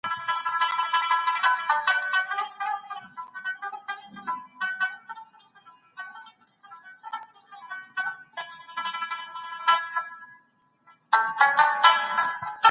سالم ذهن خوښي نه دروي.